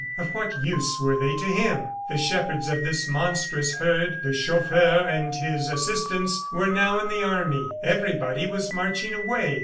Of what use were they to him? The shepherds of this monstrous herd, the chauffeur and his assistants, were now in the army. Everybody was marching away.